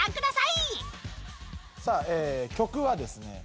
さあ曲はですね